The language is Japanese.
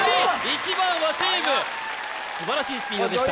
１番はセーブ素晴らしいスピードでした